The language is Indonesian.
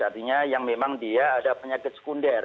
artinya yang memang dia ada penyakit sekunder